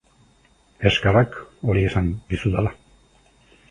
Eskerrak hori esan dizudala.